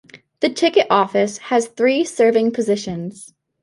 The ticket office has three serving positions.